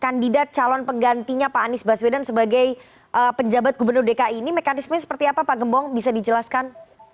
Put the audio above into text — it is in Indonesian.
kandidat calon penggantinya pak anies baswedan sebagai penjabat gubernur dki ini mekanismenya seperti apa pak gembong bisa dijelaskan